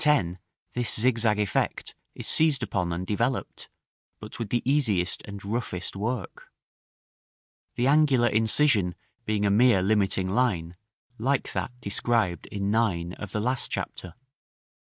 10 this zigzag effect is seized upon and developed, but with the easiest and roughest work; the angular incision being a mere limiting line, like that described in § IX. of the last chapter.